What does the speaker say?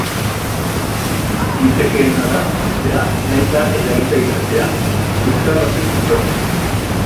Litekeena da sutea nahita eraginda izatea, liskar baten ondoren.